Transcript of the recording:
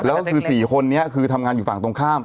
แล้วก็คือ๔คนนี้คือทำงานอยู่ฝั่งตรงข้าม